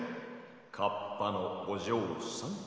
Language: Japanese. カッパのおじょうさん。